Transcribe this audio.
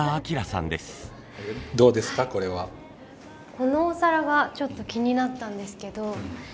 このお皿がちょっと気になったんですけど。